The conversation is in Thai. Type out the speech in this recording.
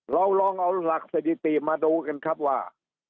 เราลองเอาหลักสถิติมาดูกันครับว่า